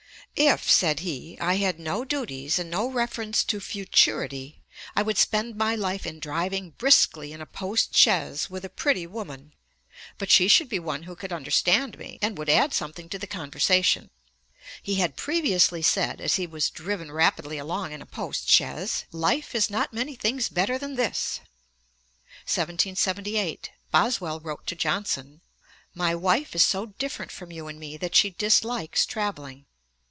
"If," said he, "I had no duties, and no reference to futurity, I would spend my life in driving briskly in a post chaise with a pretty woman; but she should be one who could understand me, and would add something to the conversation"' (ante, iii. 162). He had previously said (ante, ii. 453), as he was driven rapidly along in a post chaise, 'Life has not many things better than this.' 1778. Boswell wrote to Johnson: 'My wife is so different from you and me that she dislikes travelling.'